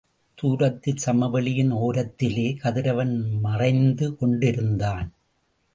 தூரத்துச் சமவெளியின் ஓரத்திலே, கதிரவன் மறைந்து கொண்டிருந்தான்.